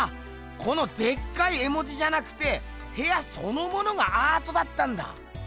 このでっかい絵文字じゃなくてへやそのものがアートだったんだ！